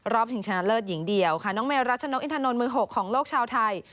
รอบถึงชนะเลิศหญิงเดียวค่ะน้องเมย์รัชโชนกอินทนนต์มือหกของโลกชาวไทย